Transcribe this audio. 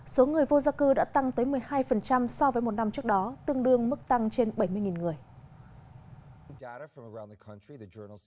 số người vô gia cư đã tăng tới một mươi hai so với một năm trước đó tương đương mức tăng trên bảy mươi người